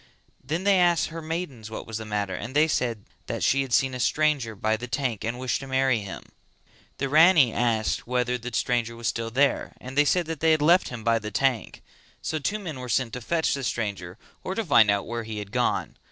Then they asked her maidens what was the matter and they said that she had seen a stranger by the tank and wished to marry him. The Rani asked whether the stranger was still there and they said that they had left him by the tank. So two men were sent to fetch the stranger or to find out where he had gone.